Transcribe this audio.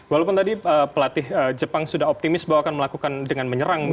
walaupun tadi pelatih jepang sudah optimis bahwa akan melakukan dengan menyerang